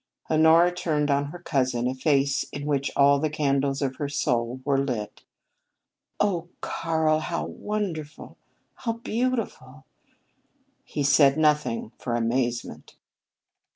Honora turned on her cousin a face in which all the candles of her soul were lit. "Oh, Karl, how wonderful! How beautiful!" He said nothing for amazement.